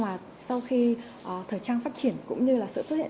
mà sau khi thời trang phát triển cũng như là sự xuất hiện